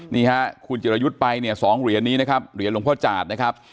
นี่ฮะคุณจิรยุทธ์ไปเนี่ย๒เหรียญนี้นะครับเหรียญหลวงพ่อจาดนะครับ